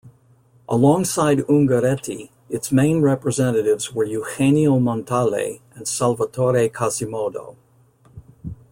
Alongside Ungaretti, its main representatives were Eugenio Montale and Salvatore Quasimodo.